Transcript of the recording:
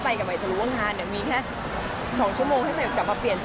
และงานก็เร่งมากมาย